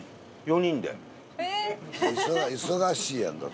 忙しいやんだって。